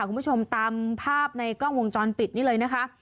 คุณผู้ชมตามภาพในกล้องวงจรปิดนี่เลยนะคะ